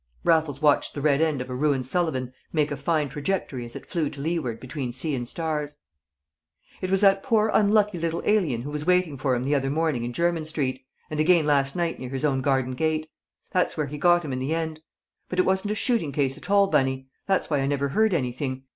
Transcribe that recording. Raffles watched the red end of a ruined Sullivan make a fine trajectory as it flew to leeward between sea and stars. "It was that poor unlucky little alien who was waiting for him the other morning in Jermyn Street, and again last night near his own garden gate. That's where he got him in the end. But it wasn't a shooting case at all, Bunny; that's why I never heard anything.